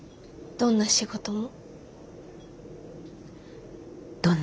どんな仕事も。